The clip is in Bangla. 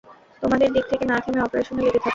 তোমাদের দিক থেকে না থেমে অপারেশনে লেগে থাকো।